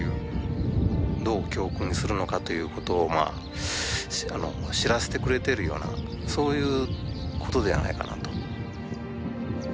どう教訓にするのかということを知らせてくれているようなそういうことではないかなと。